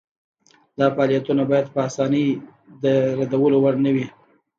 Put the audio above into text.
دا فعالیتونه باید په اسانۍ د ردولو وړ نه وي.